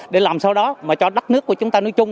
để làm sao đó mà cho đất nước của chúng ta nói chung